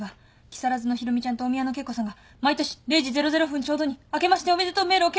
木更津の裕美ちゃんと大宮の慶子さんが毎年０時００分ちょうどに明けましておめでとうメールを携帯に送ってくる。